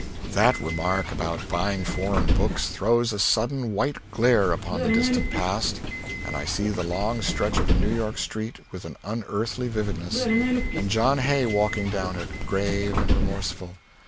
That remark about buying foreign books throws a sudden white glare upon the distant past; and I see the long stretch of a New York street with an unearthly vividness, and John Hay walking down it, grave and remorseful.